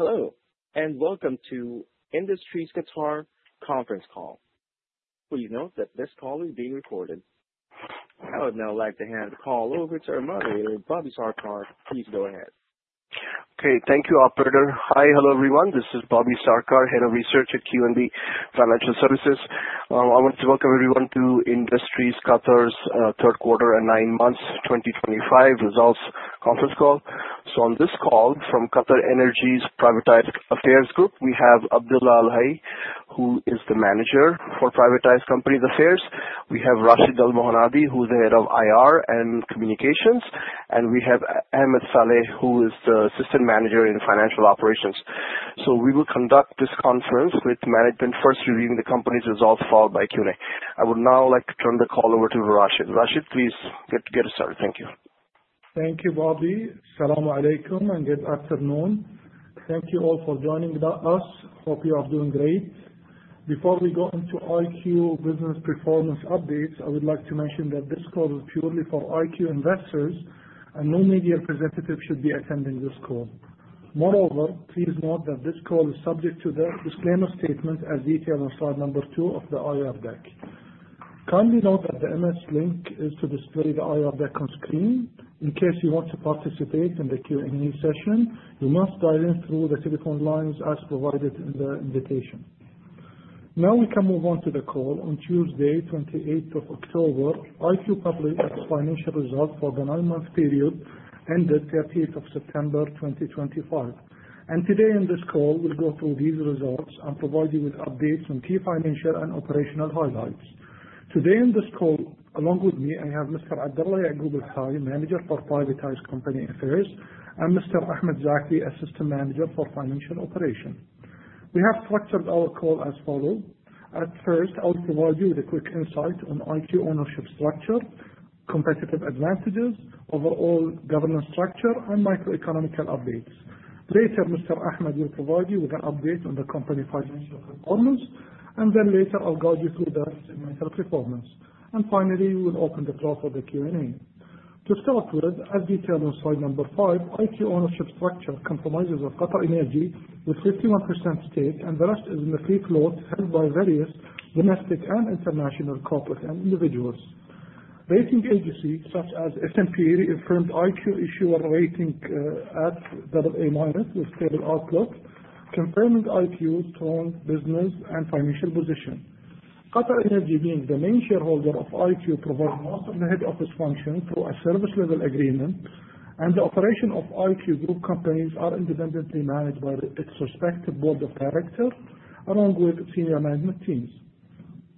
Hello, and welcome to Industries Qatar conference call. Please note that this call is being recorded. I would now like to hand the call over to our moderator, Bobby Sarkar. Please go ahead. Thank you, operator. Hi. Hello, everyone. This is Bobby Sarkar, Head of Research at QNB Financial Services. I want to welcome everyone to Industries Qatar's third quarter and nine months 2025 results conference call. On this call from QatarEnergy's Privatized Companies Affairs, we have Abdulla Al-Hay, who is the Manager for Privatized Companies Affairs. We have Rashid Al-Mohannadi, who's the Head of IR and Communications, and we have Ahmed Saleh, who is the Assistant Manager in Financial Operations. We will conduct this conference with management first reviewing the company's results, followed by Q&A. I would now like to turn the call over to Rashid. Rashid, please get us started. Thank you. Thank you, Bobby. As-salamu alaykum, good afternoon. Thank you all for joining us. Hope you are doing great. Before we go into IQ's business performance updates, I would like to mention that this call is purely for IQ investors and no media representatives should be attending this call. Moreover, please note that this call is subject to the disclaimer statement as detailed on slide number two of the IR deck. Kindly note that the MS Teams link is to display the IR deck on screen. In case you want to participate in the Q&A session, you must dial in through the telephone lines as provided in the invitation. We can move on to the call. On Tuesday, 28th of October, IQ published its financial results for the nine-month period ended 30 of September 2025. Today in this call, we'll go through these results and provide you with updates on key financial and operational highlights. Today in this call, along with me, I have Mr. Abdulla Al-Hay, Manager for Privatized Companies Affairs, and Mr. Ahmed Zakri, Assistant Manager for Financial Operation. We have structured our call as follows. At first, I'll provide you with a quick insight on IQ ownership structure, competitive advantages, overall governance structure, and macroeconomical updates. Later, Mr. Ahmed will provide you with an update on the company financial performance, then later I'll guide you through the rest of IQ's health performance. Finally, we will open the floor for the Q&A. To start with, as detailed on slide number five, IQ ownership structure comprises of QatarEnergy with 51% stake, and the rest is in the free float held by various domestic and international corporate and individuals. Rating agencies such as S&P affirmed IQ issuer rating at AA- with stable outlook, confirming IQ's strong business and financial position. QatarEnergy, being the main shareholder of IQ, provides most of the head office function through a service level agreement, and the operation of IQ group companies are independently managed by its respective board of directors along with senior management teams.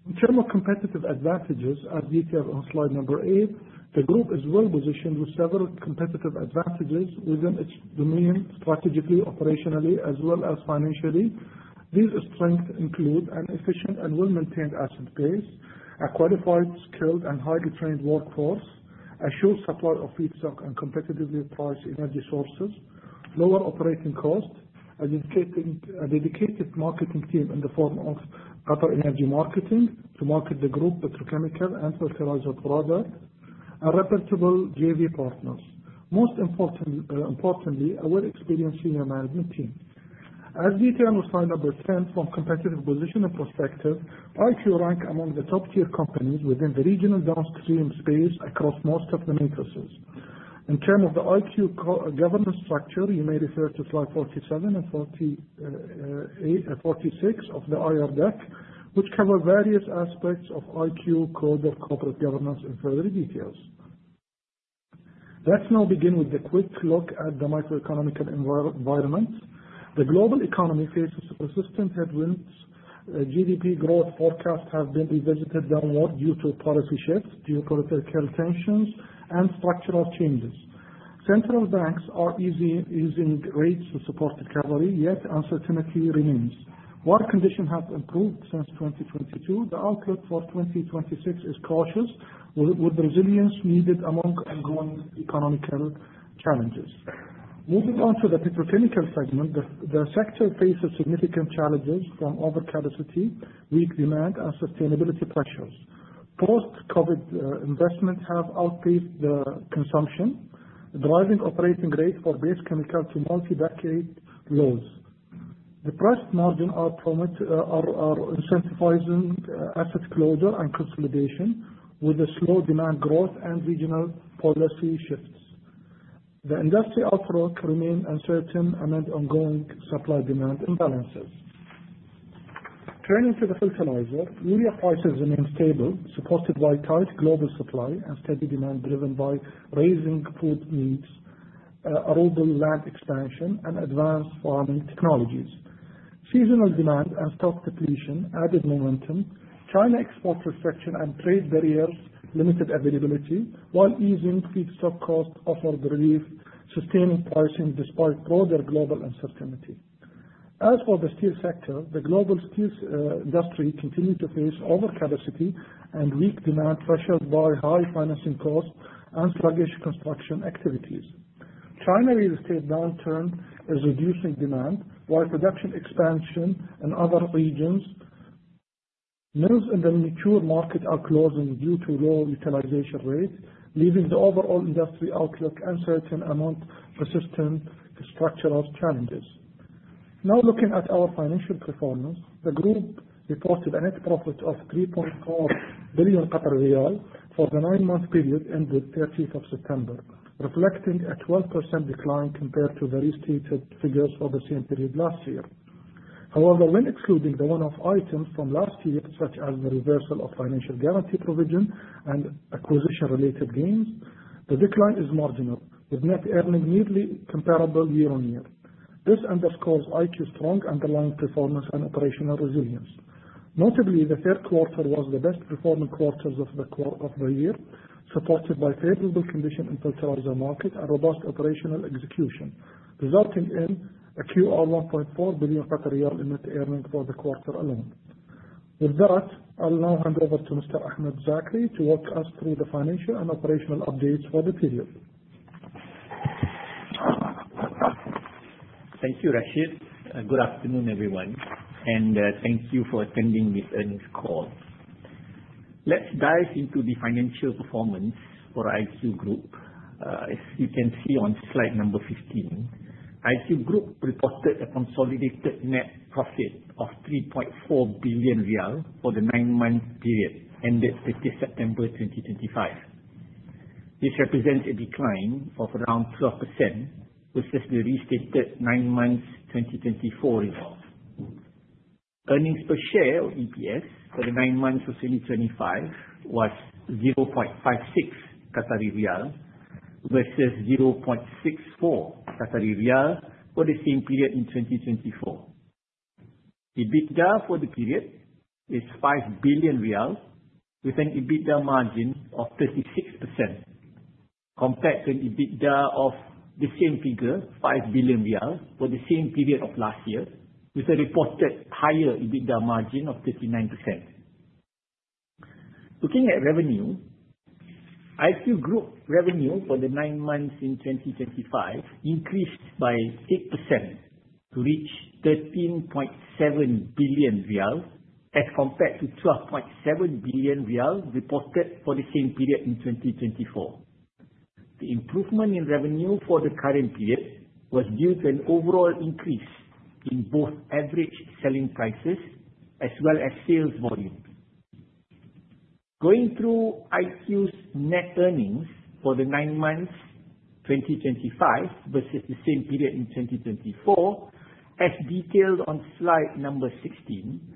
In terms of competitive advantages, as detailed on slide number eight, the group is well-positioned with several competitive advantages within its domain, strategically, operationally, as well as financially. These strengths include an efficient and well-maintained asset base, a qualified, skilled, and highly trained workforce, a sure supply of feedstock and competitively priced energy sources, lower operating costs, a dedicated marketing team in the form of QatarEnergy Marketing to market the group petrochemical and fertilizer products, and reputable JV partners. Most importantly, a well-experienced senior management team. As detailed on slide 10, from competitive position perspective, IQ rank among the top tier companies within the regional downstream space across most of the matrices. In terms of the IQ governance structure, you may refer to slide 47 and 46 of the IR deck, which cover various aspects of IQ code of corporate governance in further details. Let's now begin with a quick look at the macroeconomical environment. The global economy faces persistent headwinds. GDP growth forecasts have been revisited downward due to policy shifts, geopolitical tensions, and structural changes. Central banks are easing rates to support recovery, yet uncertainty remains. Work condition has improved since 2022. The outlook for 2026 is cautious with resilience needed among ongoing economic challenges. Moving on to the petrochemical segment, the sector faces significant challenges from overcapacity, weak demand, and sustainability pressures. Post-COVID investments have outpaced the consumption, driving operating rate for base chemicals to multi-decade lows. The price margin are incentivizing asset closure and consolidation with the slow demand growth and regional policy shifts. The industrial outlook remains uncertain amid ongoing supply-demand imbalances. Turning to the fertilizer, Urea prices remain stable, supported by tight global supply and steady demand driven by rising food needs, arable land expansion, and advanced farming technologies. Seasonal demand and stock depletion added momentum. China export restriction and trade barriers limited availability, while easing feedstock cost offered relief, sustaining pricing despite broader global uncertainty. As for the steel sector, the global steel industry continued to face overcapacity and weak demand pressures by high financing costs and sluggish construction activities. China real estate downturn is reducing demand while production expansion in other regions Mills in the mature market are closing due to low utilization rates, leaving the overall industry outlook uncertain amongst persistent structural challenges. Now looking at our financial performance, the group reported a net profit of 3.4 billion for the nine-month period ended 30th of September, reflecting a 12% decline compared to the restated figures for the same period last year. However, when excluding the one-off items from last year, such as the reversal of financial guarantee provision and acquisition-related gains, the decline is marginal, with net earnings nearly comparable year-on-year. This underscores IQ's strong underlying performance and operational resilience. Notably, the third quarter was the best performing quarter of the year, supported by favorable conditions in fertilizer market and robust operational execution, resulting in QR 1.4 billion in net earnings for the quarter alone. With that, I will now hand over to Mr. Ahmed Zakri to walk us through the financial and operational updates for the period. Thank you, Rashid. Good afternoon, everyone, and thank you for attending this earnings call. Let us dive into the financial performance for Industries Qatar. As you can see on slide number 15, Industries Qatar reported a consolidated net profit of QR 3.4 billion for the nine-month period ended 30 September 2025. This represents a decline of around 12% versus the restated nine months 2024 results. Earnings per share or EPS for the nine months of 2025 was QR 0.56 versus QR 0.64 for the same period in 2024. EBITDA for the period is QR 5 billion with an EBITDA margin of 36%, compared to an EBITDA of the same figure, QR 5 billion, for the same period of last year, with a reported higher EBITDA margin of 39%. Looking at revenue, Industries Qatar revenue for the nine months in 2025 increased by 8% to reach QR 13.7 billion as compared to QR 12.7 billion reported for the same period in 2024. The improvement in revenue for the current period was due to an overall increase in both average selling prices as well as sales volume. Going through IQ's net earnings for the nine months 2025 versus the same period in 2024, as detailed on slide number 16,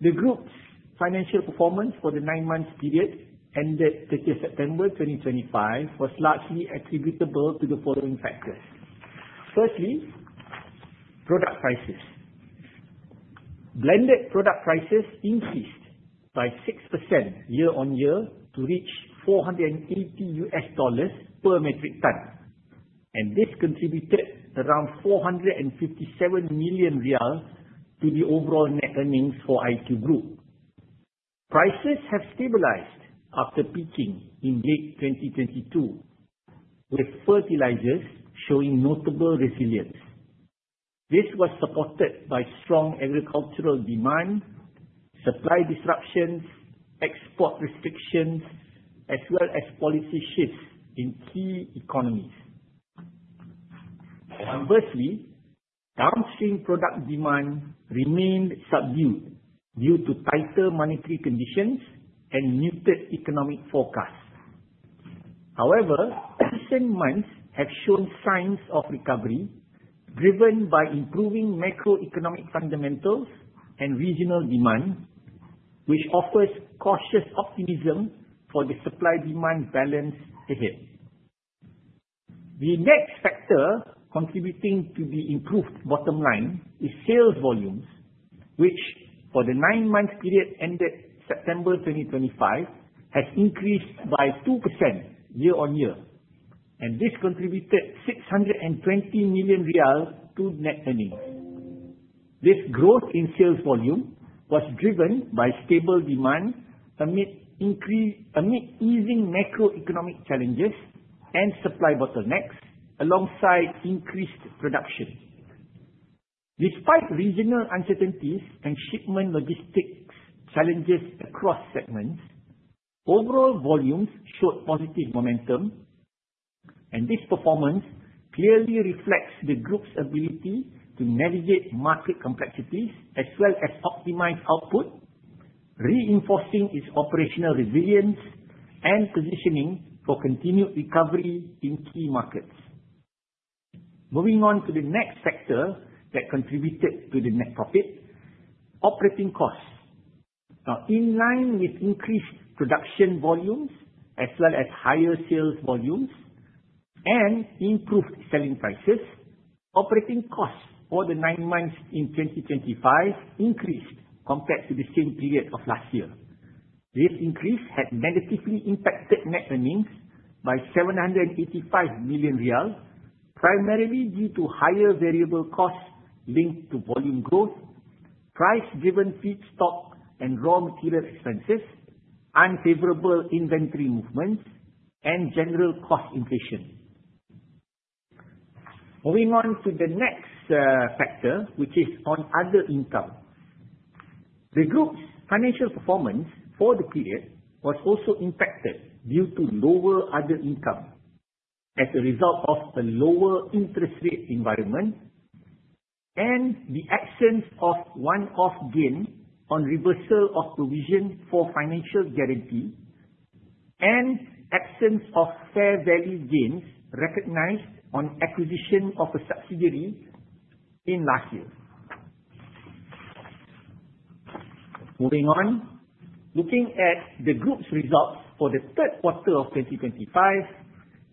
the group's financial performance for the nine months period ended 30 September 2025 was largely attributable to the following factors. Firstly, product prices. Blended product prices increased by 6% year-on-year to reach $480 per metric ton, and this contributed around QR 457 million to the overall net earnings for Industries Qatar. Prices have stabilized after peaking in late 2022, with fertilizers showing notable resilience. This was supported by strong agricultural demand, supply disruptions, export restrictions, as well as policy shifts in key economies. Conversely, downstream product demand remained subdued due to tighter monetary conditions and muted economic forecasts. However, recent months have shown signs of recovery driven by improving macroeconomic fundamentals and regional demand, which offers cautious optimism for the supply-demand balance ahead. The next factor contributing to the improved bottom line is sales volumes, which for the nine months period ended September 2025 has increased by 2% year-on-year, and this contributed QR 620 million to net earnings. This growth in sales volume was driven by stable demand amid easing macroeconomic challenges and supply bottlenecks alongside increased production. Despite regional uncertainties and shipment logistics challenges across segments, overall volumes showed positive momentum. This performance clearly reflects the group's ability to navigate market complexities as well as optimize output, reinforcing its operational resilience and positioning for continued recovery in key markets. Moving on to the next factor that contributed to the net profit, operating costs. In line with increased production volumes as well as higher sales volumes and improved selling prices, operating costs for the nine months in 2025 increased compared to the same period of last year. This increase had negatively impacted net earnings by 785 million riyal, primarily due to higher variable costs linked to volume growth, price-driven feedstock and raw material expenses, unfavorable inventory movements, and general cost inflation. Moving on to the next factor, which is on other income. The group's financial performance for the period was also impacted due to lower other income as a result of a lower interest rate environment and the absence of one-off gain on reversal of provision for financial guarantee and absence of fair value gains recognized on acquisition of a subsidiary in last year. Moving on. Looking at the group's results for the third quarter of 2025,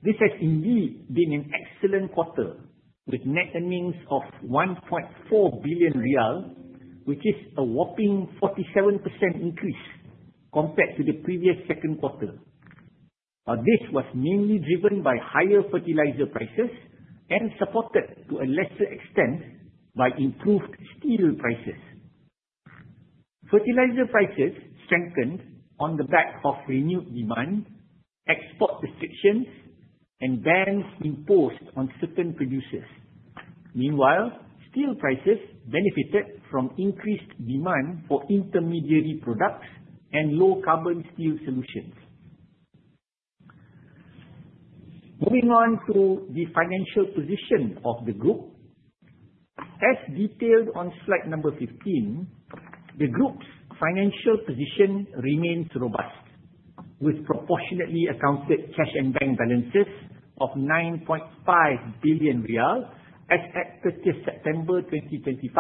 this has indeed been an excellent quarter, with net earnings of 1.4 billion riyal, which is a whopping 47% increase compared to the previous second quarter. This was mainly driven by higher fertilizer prices and supported to a lesser extent by improved steel prices. Fertilizer prices strengthened on the back of renewed demand, export restrictions, and bans imposed on certain producers. Meanwhile, steel prices benefited from increased demand for intermediary products and low carbon steel solutions. Moving on to the financial position of the group. As detailed on slide number 15, the group's financial position remains robust, with proportionately accounted cash and bank balances of 9.5 billion riyal as at 30th September 2025.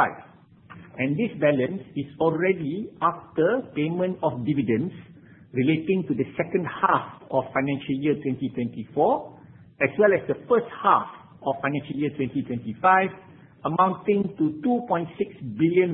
This balance is already after payment of dividends relating to the second half of FY 2024, as well as the first half of FY 2025, amounting to QAR 2.6 billion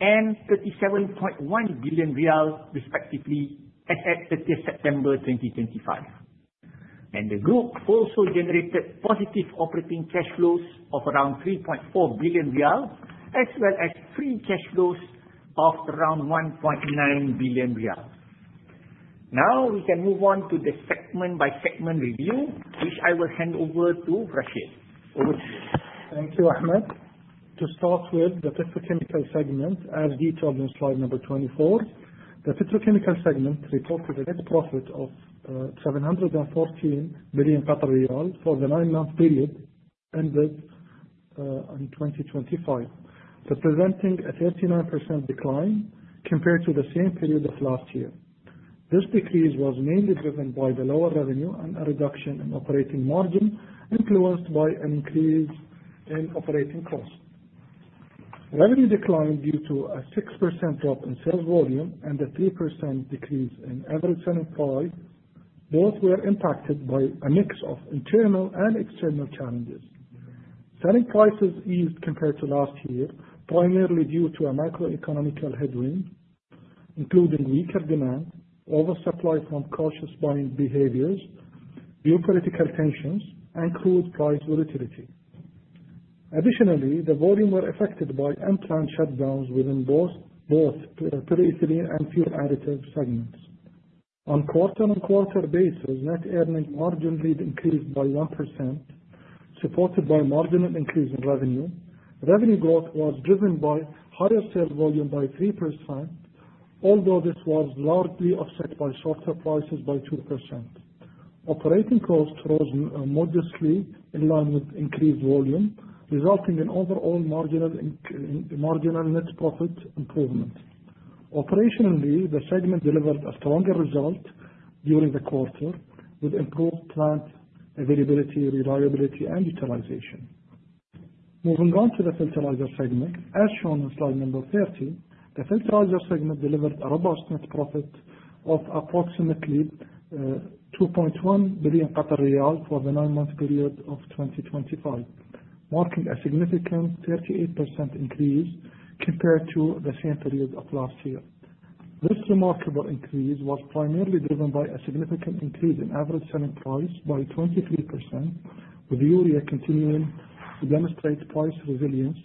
and QAR 1.6 billion respectively, which gives a total of QAR 4.2 billion of dividend payments. Currently, the group has no long-term debt obligations. The group's reported total assets and total group equity reached QAR 41 billion and QAR 37.1 billion respectively as at 30th September 2025. The group also generated positive operating cash flows of around 3.4 billion riyal, as well as free cash flows of around 1.9 billion riyal. Now we can move on to the segment by segment review, which I will hand over to Rashid. Over to you. Thank you, Ahmed. To start with, the Petrochemicals segment, as detailed in slide number 24. The Petrochemicals segment reported a net profit of 714 million for the nine-month period ended on 2025, representing a 39% decline compared to the same period of last year. This decrease was mainly driven by the lower revenue and a reduction in operating margin influenced by an increase in operating cost. Revenue declined due to a 6% drop in sales volume and a 3% decrease in average selling price. Both were impacted by a mix of internal and external challenges. Selling prices eased compared to last year, primarily due to a macroeconomical headwind, including weaker demand, oversupply from cautious buying behaviors, geopolitical tensions, and crude price volatility. Additionally, the volume were affected by unplanned shutdowns within both polyethylene and fuel additive segments. On quarter-on-quarter basis, net earnings marginally increased by 1%, supported by a marginal increase in revenue. Revenue growth was driven by higher sales volume by 3%, although this was largely offset by shorter prices by 2%. Operating cost rose modestly in line with increased volume, resulting in overall marginal net profit improvement. Operationally, the segment delivered a stronger result during the quarter with improved plant availability, reliability, and utilization. Moving on to the Fertilizer segment, as shown on slide number 30. The Fertilizer segment delivered a robust net profit of approximately 2.1 billion riyal for the nine-month period of 2025, marking a significant 38% increase compared to the same period of last year. This remarkable increase was primarily driven by a significant increase in average selling price by 23%, with Urea continuing to demonstrate price resilience,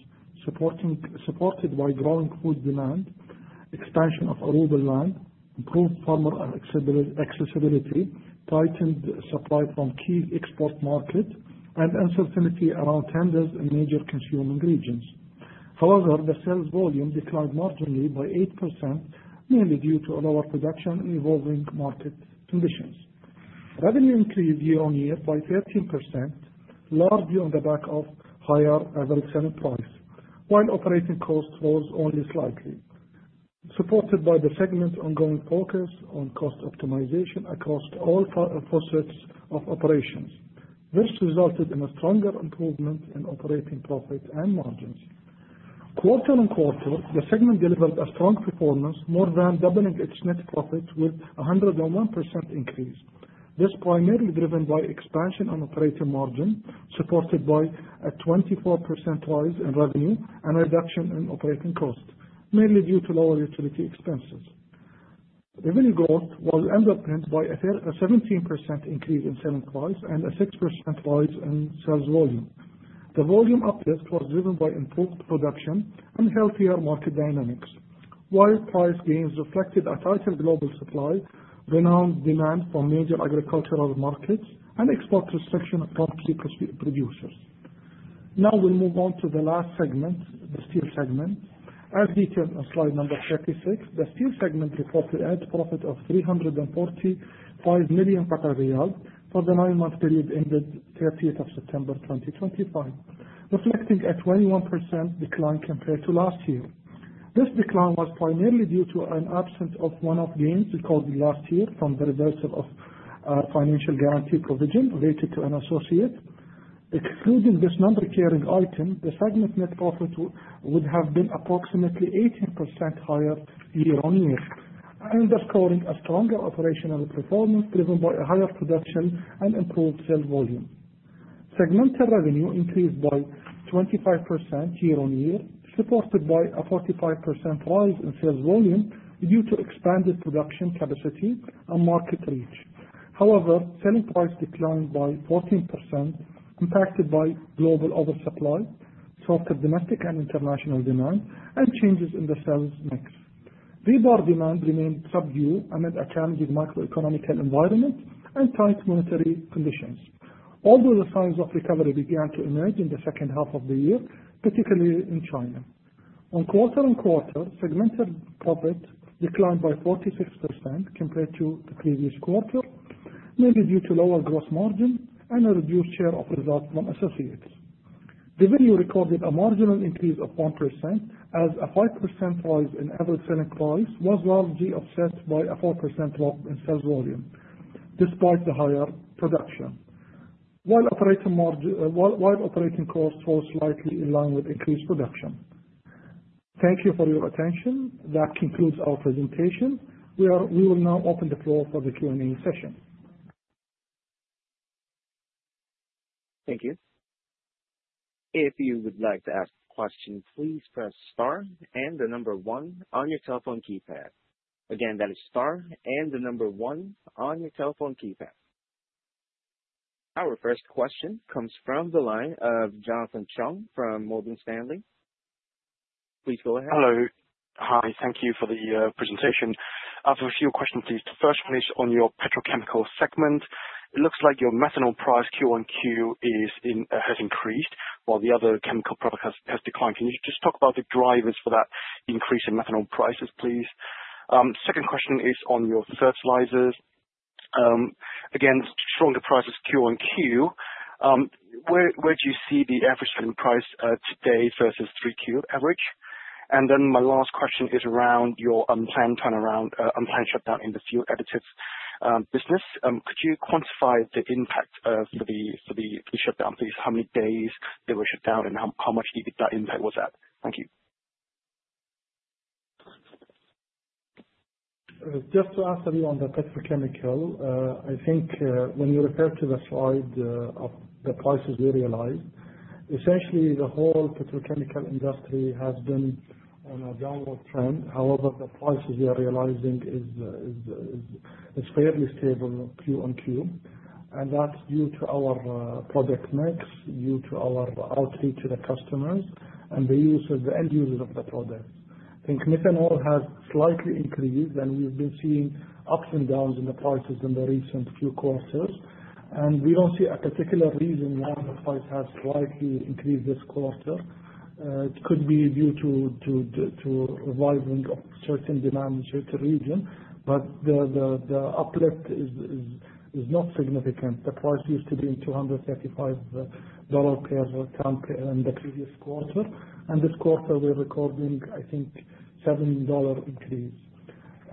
supported by growing food demand, expansion of arable land, improved farmer accessibility, tightened supply from key export markets, and uncertainty around tenders in major consuming regions. The sales volume declined marginally by 8%, mainly due to lower production and evolving market conditions. Revenue increased year-on-year by 13%, largely on the back of higher average selling price, while operating cost rose only slightly, supported by the segment's ongoing focus on cost optimization across all facets of operations. This resulted in a stronger improvement in operating profit and margins. Quarter-on-quarter, the segment delivered a strong performance, more than doubling its net profit with 101% increase. This was primarily driven by expansion on operating margin, supported by a 24% rise in revenue and a reduction in operating cost, mainly due to lower utility expenses. Revenue growth was underpinned by a 17% increase in selling price and a 6% rise in sales volume. The volume uplift was driven by improved production and healthier market dynamics. While price gains reflected a tighter global supply, renewed demand for major agricultural markets, and export restriction from key producers. We'll move on to the last segment, the steel segment. As detailed on slide number 36, the steel segment reported a net profit of 345 million riyal for the nine-month period ended 30th of September 2025, reflecting a 21% decline compared to last year. This decline was primarily due to an absence of one-off gains recorded last year from the reversal of financial guarantee provision related to an associate. Excluding this non-recurring item, the segment net profit would have been approximately 18% higher year-on-year, underscoring a stronger operational performance driven by a higher production and improved sales volume. Segmental revenue increased by 25% year-on-year, supported by a 45% rise in sales volume due to expanded production capacity and market reach. Selling price declined by 14%, impacted by global oversupply, softer domestic and international demand, and changes in the sales mix. Rebar demand remained subdued amid a challenging macroeconomical environment and tight monetary conditions. The signs of recovery began to emerge in the second half of the year, particularly in China. Quarter-on-quarter, segmented profit declined by 46% compared to the previous quarter, mainly due to lower gross margin and a reduced share of results from associates. Revenue recorded a marginal increase of 1% as a 5% rise in average selling price was largely offset by a 4% drop in sales volume, despite the higher production. Operating costs were slightly in line with increased production. Thank you for your attention. That concludes our presentation. We will now open the floor for the Q&A session. Thank you. If you would like to ask a question, please press star and the number one on your telephone keypad. Again, that is star and the number one on your telephone keypad. Our first question comes from the line of Jonathan Cheung from Morgan Stanley. Please go ahead. Hello. Hi, thank you for the presentation. I have a few questions, please. First, please, on your petrochemical segment, it looks like your methanol price QoQ has increased while the other chemical product has declined. Can you just talk about the drivers for that increase in methanol prices, please? Second question is on your fertilizers. Again, stronger prices QoQ. Where do you see the average selling price today versus 3Q average? My last question is around your unplanned turnaround, unplanned shutdown in the fuel additives business. Could you quantify the impact of the shutdown, please? How many days they were shut down, and how much did that impact was that? Thank you. Just to answer you on the petrochemical, I think when you refer to the slide of the prices we realize, essentially the whole petrochemical industry has been on a downward trend. However, the prices we are realizing is fairly stable QoQ, and that's due to our product mix, due to our outreach to the customers, and the end users of the product. I think methanol has slightly increased, and we've been seeing ups and downs in the prices in the recent few quarters, and we don't see a particular reason why the price has slightly increased this quarter. It could be due to reviving of certain demand in certain region, but the uplift is not significant. The price used to be QAR 235 per ton in the previous quarter, and this quarter we're recording, I think, QAR 7 increase.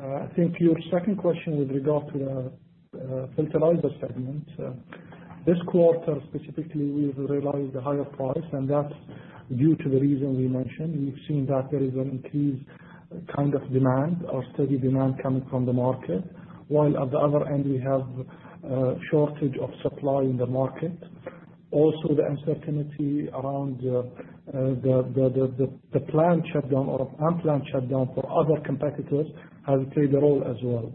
I think your second question with regard to the fertilizer segment. This quarter specifically, we've realized a higher price, and that's due to the reason we mentioned. We've seen that there is an increased kind of demand or steady demand coming from the market. While at the other end, we have a shortage of supply in the market. Also, the uncertainty around the planned shutdown or unplanned shutdown for other competitors has played a role as well.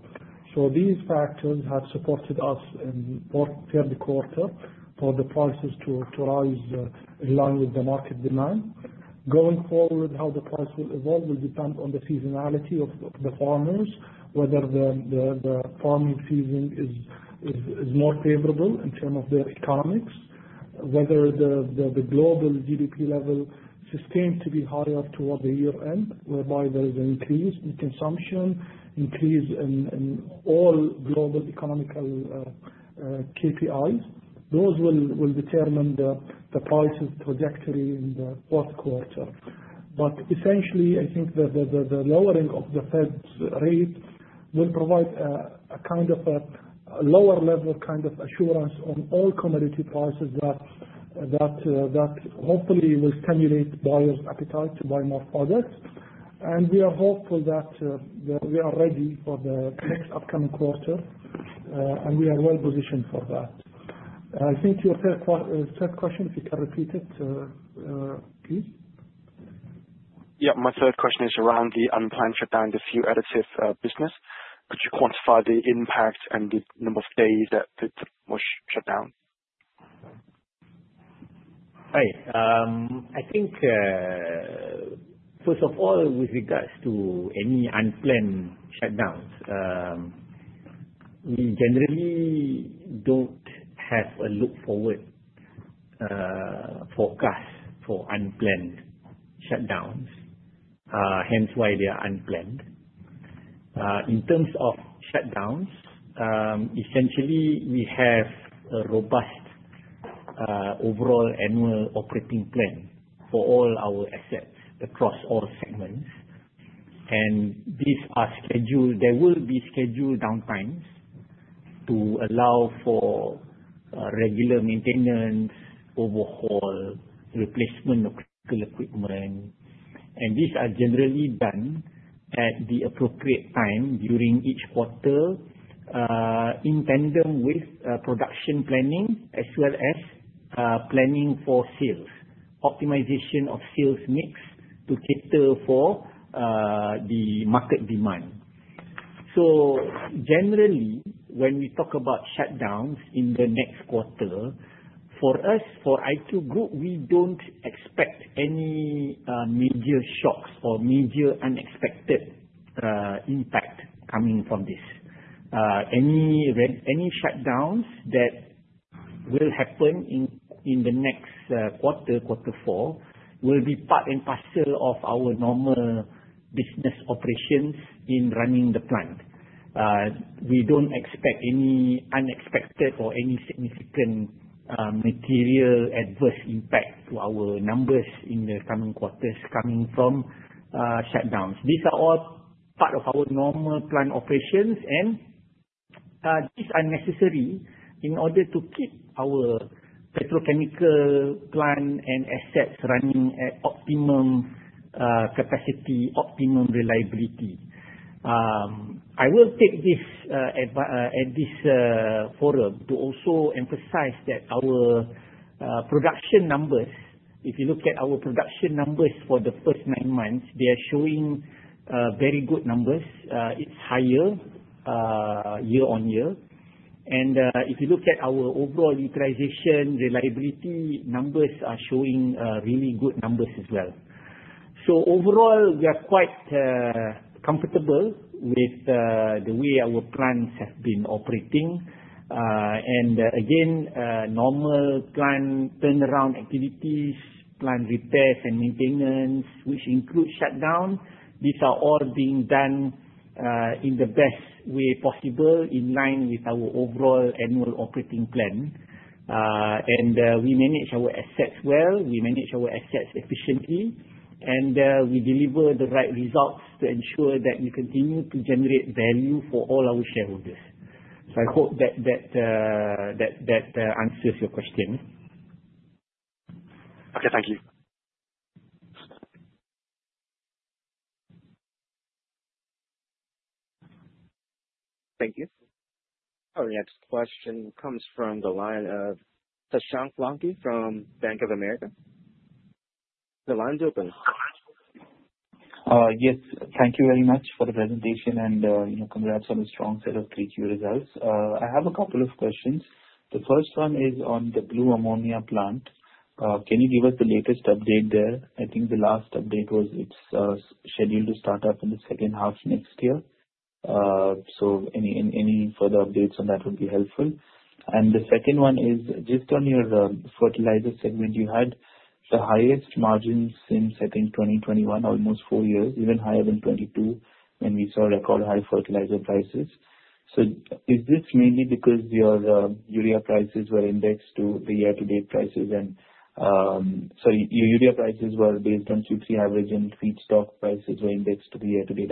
These factors have supported us in third quarter for the prices to rise along with the market demand. Going forward, how the price will evolve will depend on the seasonality of the farmers, whether the farming season is more favorable in term of the economics, whether the global GDP level sustained to be higher toward the year end, whereby there is an increase in consumption, increase in all global economical KPIs. Those will determine the prices trajectory in the fourth quarter. Essentially, I think that the lowering of the Fed's rate will provide a lower level kind of assurance on all commodity prices that hopefully will stimulate buyers' appetite to buy more products. We are hopeful that we are ready for the next upcoming quarter, and we are well-positioned for that. I think your third question, if you can repeat it, please. My third question is around the unplanned shutdown, the fuel additives business. Could you quantify the impact and the number of days that it was shut down? Right. I think, first of all, with regards to any unplanned shutdowns, we generally don't have a look forward forecast for unplanned shutdowns, hence why they are unplanned. In terms of shutdowns, essentially, we have a robust overall annual operating plan for all our assets across all segments. These are scheduled. There will be scheduled downtimes to allow for regular maintenance, overhaul, replacement of critical equipment. These are generally done at the appropriate time during each quarter, in tandem with production planning as well as planning for sales, optimization of sales mix to cater for the market demand. Generally, when we talk about shutdowns in the next quarter, for us, for Industries Qatar, we don't expect any major shocks or major unexpected impact coming from this. Any shutdowns that will happen in the next quarter four, will be part and parcel of our normal business operations in running the plant. We don't expect any unexpected or any significant material adverse impact to our numbers in the coming quarters coming from shutdowns. These are all part of our normal plant operations, and these are necessary in order to keep our petrochemical plant and assets running at optimum capacity, optimum reliability. I will take this forum to also emphasize that our production numbers, if you look at our production numbers for the first nine months, they are showing very good numbers. It's higher year-on-year. If you look at our overall utilization, reliability numbers are showing really good numbers as well. Overall, we are quite comfortable with the way our plants have been operating. Again, normal plant turnaround activities, plant repairs, and maintenance, which include shutdown, these are all being done in the best way possible, in line with our overall annual operating plan. We manage our assets well, we manage our assets efficiently, and we deliver the right results to ensure that we continue to generate value for all our shareholders. I hope that answers your question. Okay. Thank you. Thank you. Our next question comes from the line of Shashank Lonkar from Bank of America. The line's open. Yes. Thank you very much for the presentation and congrats on the strong set of Q3 results. I have a couple of questions. The first one is on the Blue Ammonia plant. Can you give us the latest update there? I think the last update was it's scheduled to start up in the second half next year. Any further updates on that would be helpful. The second one is just on your fertilizer segment, you had the highest margins since, I think, 2021, almost four years, even higher than 2022, when we saw record high fertilizer prices. Is this mainly because your urea prices were indexed to the year-to-date prices? Sorry, your urea prices were based on Q3 average and feedstock prices were indexed to the year-to-date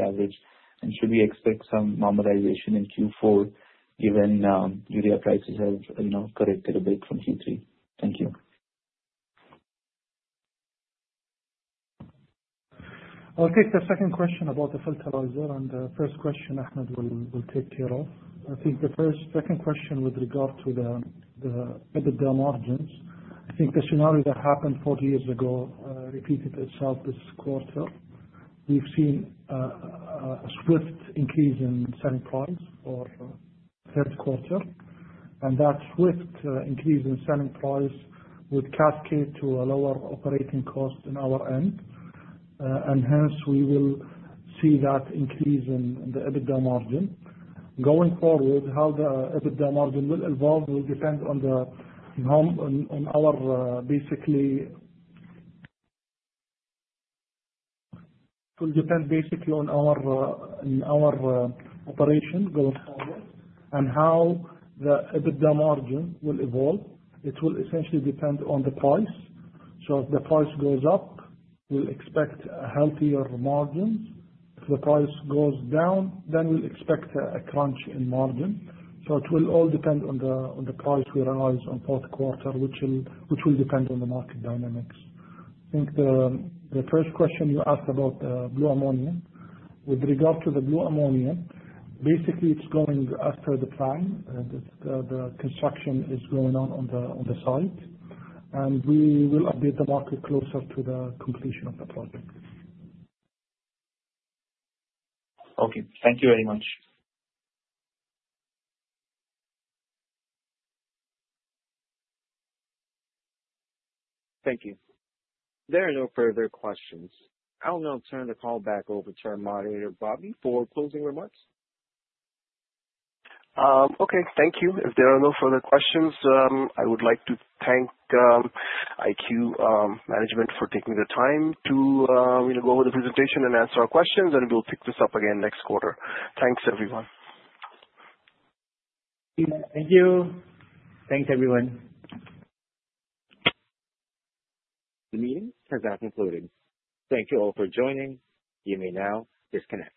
average. Should we expect some normalization in Q4 given urea prices have corrected a bit from Q3? Thank you. I'll take the second question about the fertilizer, the first question, Ahmed will take care of. I think the second question with regard to the EBITDA margins. I think the scenario that happened four years ago repeated itself this quarter. We've seen a swift increase in selling price for third quarter, that swift increase in selling price would cascade to a lower operating cost in our end. Hence, we will see that increase in the EBITDA margin. Going forward, how the EBITDA margin will evolve will depend basically on our operation going forward and how the EBITDA margin will evolve. It will essentially depend on the price. If the price goes up, we'll expect a healthier margin. If the price goes down, we'll expect a crunch in margin. It will all depend on the price we realize on fourth quarter, which will depend on the market dynamics. I think the first question you asked about the Blue Ammonia. With regard to the Blue Ammonia, basically, it's going as per the plan. The construction is going on on the site. We will update the market closer to the completion of the project. Okay. Thank you very much. Thank you. There are no further questions. I will now turn the call back over to our moderator, Bobby, for closing remarks. Okay, thank you. If there are no further questions, I would like to thank IQ management for taking the time to go over the presentation and answer our questions. We will pick this up again next quarter. Thanks, everyone. Thank you. Thanks, everyone. The meeting has now concluded. Thank you all for joining. You may now disconnect.